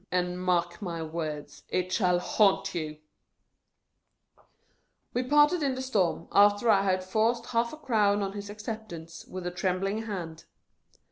AND, MARK MY WORDS, IT SHALL HAUNT YOU !" We parted in the storm, after I had forced half a crown on his acceptance, with a trembling hand.